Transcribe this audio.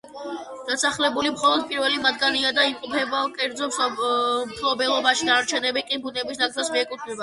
დასახლებული მხოლოდ პირველი მათგანია და იმყოფება კერძო მფლობელობაში, დანარჩენები კი ბუნების ნაკრძალს მიეკუთვნება.